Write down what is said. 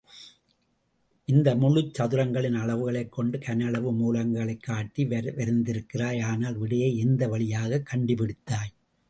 இந்த முழுச்சதுரங்களின் அளவுகளைக் கொண்டு கனஅளவு மூலங்களைக்காட்டி வரைந்திருக்கிறாய், ஆனால் விடையை எந்த வழியாகக் கண்டு பிடித்தாய்?